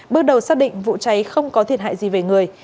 bước đầu xác định vụ cháy không có thiệt hại gì về người